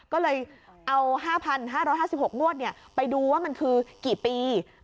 ก็เลยเอา๕๕๖งวดไปดูว่ามันคือกี่ปี